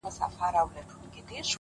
اوس مي د سپين قلم زهره چاودلې’